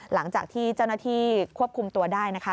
หลังจากที่เจ้าหน้าที่ควบคุมตัวได้นะคะ